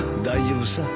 大丈夫さ。